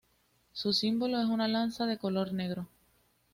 Su símbolo es una lanza, de color negro.